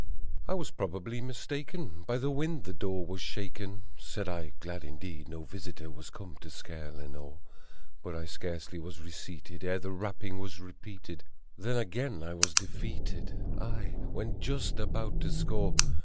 "I was probably mistaken by the wind the door was shaken," Said I, glad indeed, no visitor was come to scare Lenore; But I scarcely was reseated ere the rapping was repeated, And again I was defeated aye, when just about to score